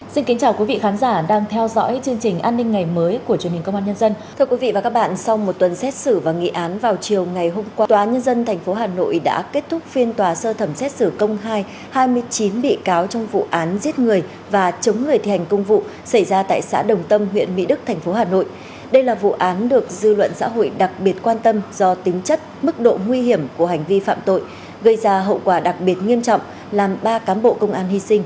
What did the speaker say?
xin kính chào quý vị khán giả đang theo dõi chương trình an ninh ngày mới của truyền hình công an nhân dân